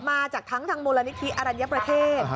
มาจากทั้งทางมูลนิธิอรัญญประเทศ